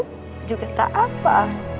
itu juga tak apa